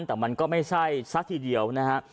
แต่มันก็ไม่ใช่ซะทีเดียวนะฮะ